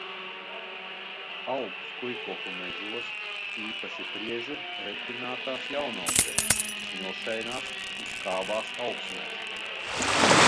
Aug skujkoku mežos, īpaši priežu retinātās jaunaudzēs, smilšainās un skābās augsnēs.